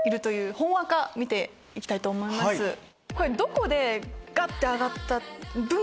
どこでガッて上がった。